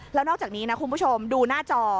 แล้วนอกจากนี้นะคุณผู้ชมดูหน้าจอ